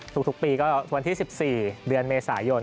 ทุกปีก็วันที่๑๔เดือนเมษายน